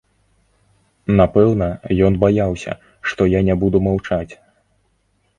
Напэўна, ён баяўся, што я не буду маўчаць.